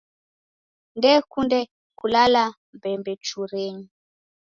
Ndekunde kulala mbembechurenyi.